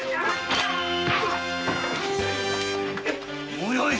もうよい！